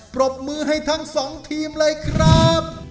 ปรบมือให้ทั้งสองทีมเลยครับ